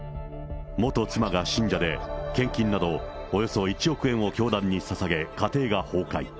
元妻が信者で、献金など、およそ１億円を教団にささげ、家庭が崩壊。